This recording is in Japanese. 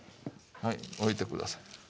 はい置いて下さい。